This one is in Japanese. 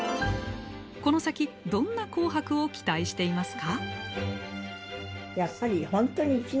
この先、どんな「紅白」を期待していますか？